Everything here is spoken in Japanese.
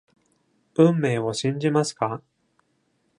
運命を信じますか？